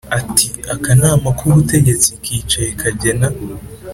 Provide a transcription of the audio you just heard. Ati “Akanama k’ubutegetsi kicaye kagena